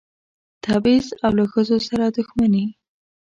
تبعیض او له ښځو سره دښمني.